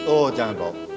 oh jangan bu